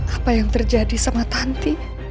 apa yang terjadi sama tanti